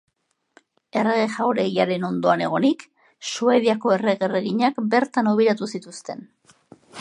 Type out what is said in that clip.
Errege Jauregiaren ondoan egonik Suediako errege erreginak bertan hobiratu zituzten.